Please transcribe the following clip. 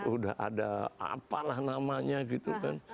udah ada apalah namanya gitu kan